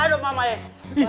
aduh mama eh